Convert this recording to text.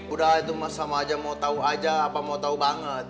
udah itu sama aja mau tau aja apa mau tau banget